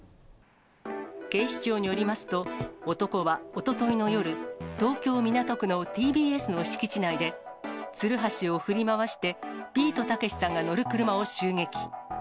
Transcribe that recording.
警視庁によりますと、男はおとといの夜、東京・港区のＴＢＳの敷地内で、つるはしを振り回して、ビートたけしさんが乗る車を襲撃。